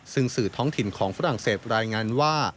ซึ่งสื่อท้องถิ่นของฝรั่งเศสรายงานว่า